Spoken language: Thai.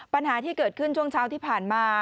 ปัญหาที่เกิดขึ้นช่วงเช้าที่ผ่านมา